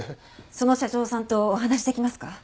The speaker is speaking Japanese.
その社長さんとお話しできますか？